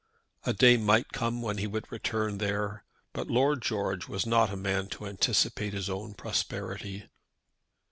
A day might come when he would return there; but Lord George was not a man to anticipate his own prosperity.